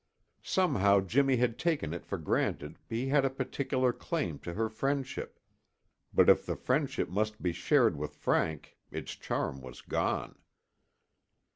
Somehow Jimmy had taken it for granted he had a particular claim to her friendship, but if the friendship must be shared with Frank its charm was gone.